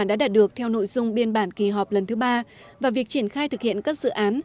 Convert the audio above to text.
đã đạt được theo nội dung biên bản kỳ họp lần thứ ba và việc triển khai thực hiện các dự án